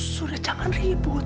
sudah jangan ribut